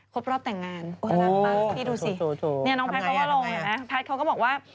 ครบรอบแต่งงานพี่ดูสินี่น้องแพทย์ก็ว่าลงอย่างนี้นะแพทย์เขาก็บอกว่า